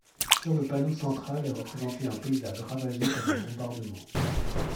Sur le panneau central est représenté un paysage ravagé par un bombardement.